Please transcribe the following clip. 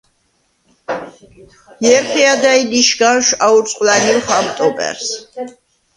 ჲერხი ადა̈ჲდ იშგანშვ აურწყვლა̈ნივხ ამ ტობა̈რს.